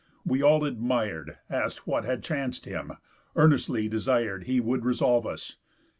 We all admir'd, Ask'd what had chanc'd him, earnestly desir'd He would resolve us.